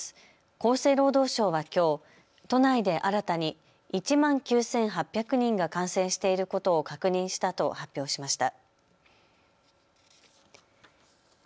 厚生労働省はきょう都内で新たに１万９８００人が感染していることを確認したと発表しました。